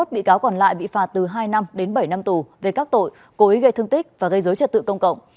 hai mươi một bị cáo còn lại bị phạt từ hai năm đến bảy năm tù về các tội cố ý gây thương tích và gây dối trật tự công cộng